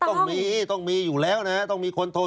ต้องมีต้องมีอยู่แล้วนะต้องมีคนโทร